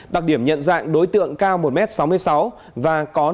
đặc điểm nhận dạng đối tượng cao một m sáu mươi sáu